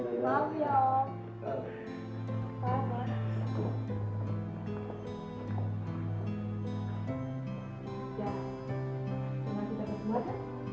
semangat kita ke tempat